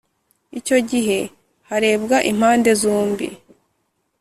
Icyogihe harebwa impande zombi